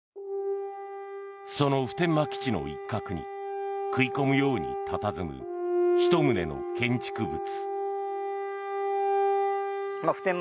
その普天間基地の一角に食い込むようにたたずむ１棟の建築物。